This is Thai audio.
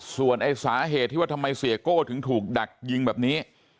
ส่วนไอ้สาเหตุที่ว่าทำไมเสียโก้ถึงถูกดักยิงแบบนี้